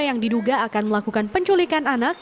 yang diduga akan melakukan penculikan anak